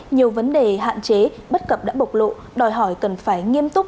nhiều vấn đề hạn chế bất cập đã bộc lộ đòi hỏi cần phải nghiêm túc